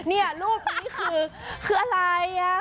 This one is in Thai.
รูปนี้คือคืออะไรอ่ะ